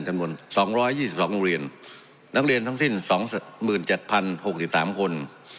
จำนวน๒๒โรงเรียนนักเรียนทั้งสิ้น๒๗๐๖๓คน